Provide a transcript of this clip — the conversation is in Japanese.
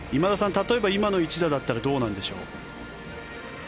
例えば今の一打だったらどうなんでしょう？